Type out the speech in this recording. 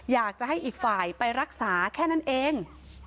อยากจะให้อีกฝ่ายไปรักษาแค่นั้นเอง